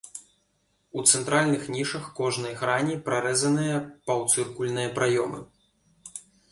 У цэнтральных нішах кожнай грані прарэзаныя паўцыркульныя праёмы.